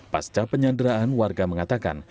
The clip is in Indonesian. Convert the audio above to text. pasca penyanderaan warga mengatakan